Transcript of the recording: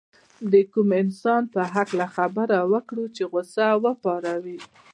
د کوم انسان په هکله خبره وکړو چې غوسه وپاروي.